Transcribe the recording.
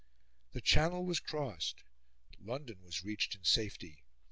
The Channel was crossed, London was reached in safety.